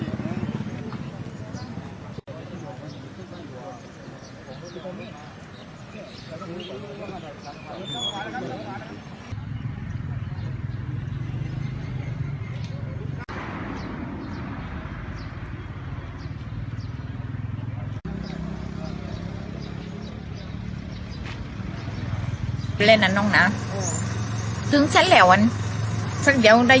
สุดท้ายสุดท้ายสุดท้าย